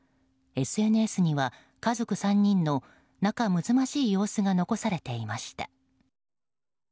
ＳＮＳには家族３人の仲むつまじい様子が残されていました。